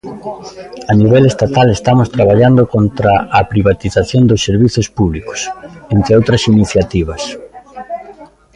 A nivel estatal estamos traballando contra a privatización dos servizos públicos, entre outras iniciativas.